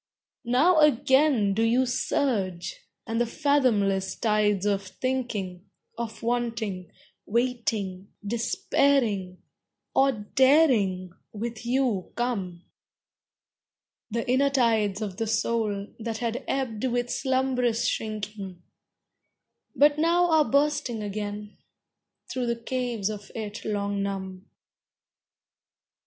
Now again do you surge. And the fathomless tides of thinking, Of wanting, waiting, despairing or daring with you come; The inner tides of the soul, that had ebbed with slumberous shrinking, But now are bursting again, thro the caves of it long numb.